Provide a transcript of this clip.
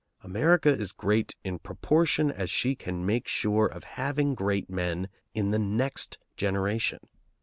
America is great in proportion as she can make sure of having great men in the next generation.